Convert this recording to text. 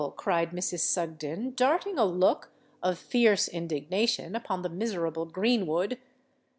cried Mrs. Sugden, darting a look of fierce indignation upon the miserable Greenwood.